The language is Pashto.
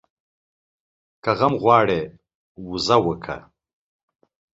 که غم غواړې ، بزه وکه.